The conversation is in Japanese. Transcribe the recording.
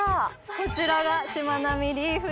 こちらがしまなみリーフです。